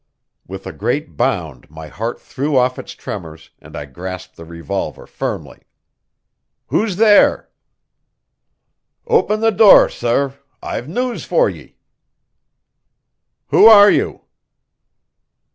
With a great bound my heart threw off its tremors, and I grasped the revolver firmly: "Who's there?" "Open the door, sor; I've news for ye." "Who are you?"